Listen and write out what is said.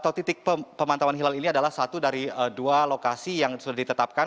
atau titik pemantauan hilal ini adalah satu dari dua lokasi yang sudah ditetapkan